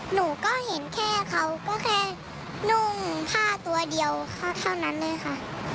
หนูก็เห็นแค่เขาก็แค่นุ่งผ้าตัวเดียวเท่านั้นเลยค่ะ